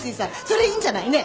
それいいんじゃない？ねえ。